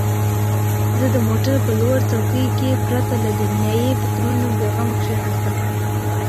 زه د موټر په لوړ څوکۍ کې پرته له دنیايي فکرونو بېغمه کښېناستم.